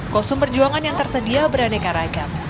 kostum perjuangan yang tersedia beraneka ragam